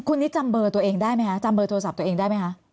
คุณนิดจำเบอร์ตัวเองได้ไหมคะจำเบอร์โทรศัพท์ตัวเองได้ไหมคะ